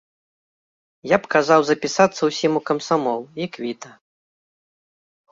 Я б казаў запісацца ўсім у камсамол, і квіта.